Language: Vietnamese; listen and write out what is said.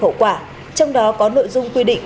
hậu quả trong đó có nội dung quy định